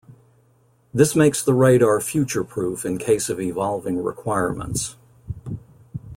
This makes the radar future proof in case of evolving requirements.